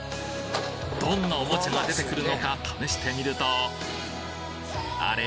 どんなおもちゃが出てくるのか試してみるとあれ？